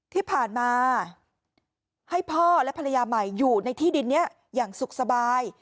ที่ผ่านมาให้พ่อและภรรยาใหม่อยู่ในที่ดินนี้อย่างสุขสบาย